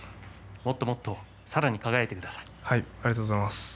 もっともっと輝いてください。